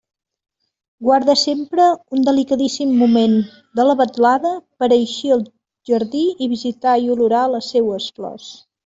Guarde sempre un delicadíssim moment de la vetlada per a eixir al jardí i visitar i olorar les seues flors.